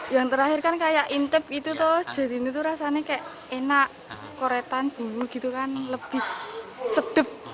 yang terakhir kan kayak ngintip gitu jadi rasanya kayak enak korek korek tan dulu gitu kan lebih sedap